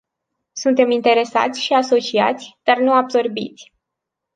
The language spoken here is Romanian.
Suntem interesați și asociați, dar nu absorbiți.